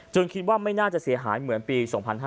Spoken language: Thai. คิดว่าไม่น่าจะเสียหายเหมือนปี๒๕๕๙